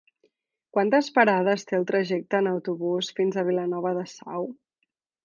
Quantes parades té el trajecte en autobús fins a Vilanova de Sau?